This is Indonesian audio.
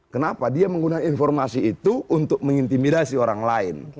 kenapa dia menggunakan informasi itu untuk mengintimidasi orang lain